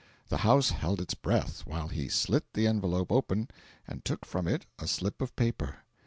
The house held its breath while he slit the envelope open and took from it a slip of paper.